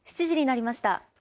７時になりました。